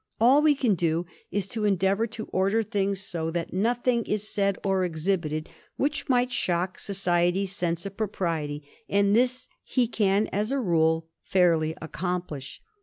All he can do is to endeavor to order things so that nothing is said or exhibited which might shock society's sense of propriety, and this he can as a rule fairly accomplish.